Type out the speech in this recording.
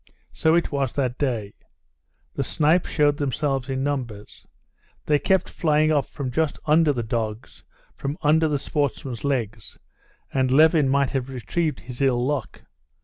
So it was that day. The snipe showed themselves in numbers. They kept flying up from just under the dogs, from under the sportsmen's legs, and Levin might have retrieved his ill luck.